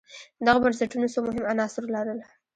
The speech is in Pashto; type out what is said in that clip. دغو بنسټونو څو مهم عناصر لرل